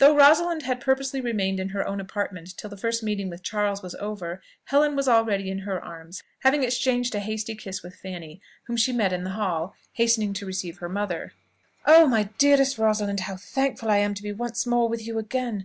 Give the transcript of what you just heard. Though Rosalind had purposely remained in her own apartment till the first meeting with Charles was over, Helen was already in her arms; having exchanged a hasty kiss with Fanny, whom she met in the hall, hastening to receive her mother. "Oh! my dearest Rosalind! How thankful am I to be once more with you again!